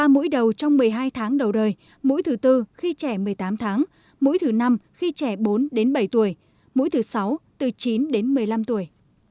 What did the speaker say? ba mũi đầu trong một mươi hai tháng đầu đời mũi thứ tư khi trẻ một mươi tám tháng mũi thứ năm khi trẻ bốn đến bảy tuổi mũi thứ sáu từ chín đến một mươi năm tuổi